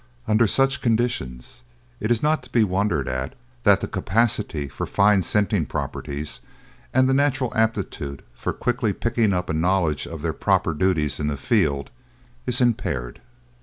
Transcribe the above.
Under such conditions it is not to be wondered at that the capacity for fine scenting properties and the natural aptitude for quickly picking up a knowledge of their proper duties in the field is impaired.